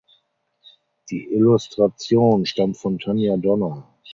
Die Illustration stammt von Tanja Donner.